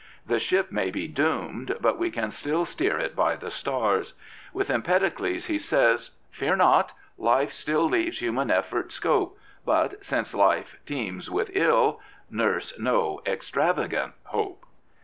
The ship may be doomed, but we can still steer it by the stars. With Empedocles he says: Fear not! life still Leaves human effort scope. But, since life teems with ill, Nurse no extravagant hope.